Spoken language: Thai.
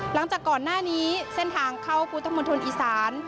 หลังจากก่อนหน้านี้เส้นทางเข้าพุทธมณฑลอีสาน